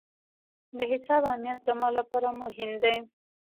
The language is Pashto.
د حساب امنیت زما لپاره مهم دی.